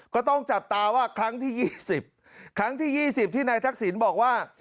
ก็ต้องจัดตาว่าครั้งที่ยี่สิบครั้งที่ยี่สิบที่นายทักศิลป์บอกว่า